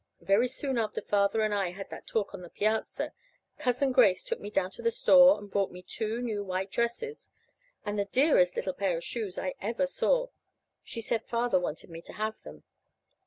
Very soon after Father and I had that talk on the piazza, Cousin Grace took me down to the store and bought me two new white dresses, and the dearest little pair of shoes I ever saw. She said Father wanted me to have them.